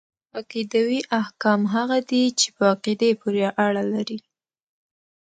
عقيدوي احکام هغه دي چي په عقيدې پوري اړه لري .